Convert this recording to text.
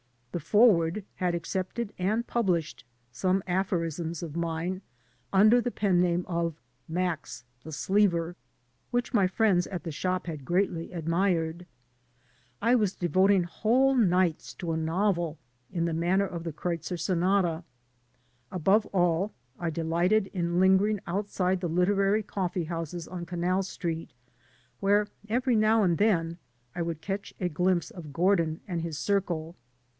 The Forward had accepted and pubUshed some aphorisms of mine under the pen name of "Max the Sleever," which my friends at the shop had greatly admired. I was devoting whole nights to a novel in the manner of The Kreutzer Sonata. Above all, I delighted in lingering outside the literary coffee houses on Canal Street, where every now and then I would catch a glimpse of Gordin and his circle.